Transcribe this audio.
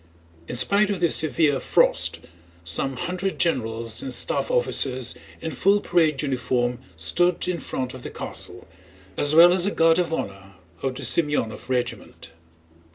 In spite of the severe frost some hundred generals and staff officers in full parade uniform stood in front of the castle, as well as a guard of honor of the Semënov regiment.